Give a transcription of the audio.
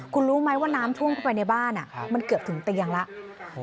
คุณรู้ไหมว่าน้ำท่วมเข้าไปในบ้านมันเกือบถึงเตียงแล้ว